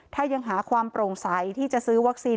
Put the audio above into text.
ถ้ายังหาความโปร่งใสที่จะซื้อวัคซีน